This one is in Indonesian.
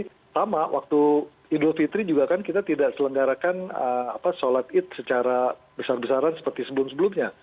jadi sama waktu idul fitri juga kan kita tidak selenggarakan sholat id secara besar besaran seperti sebelum sebelumnya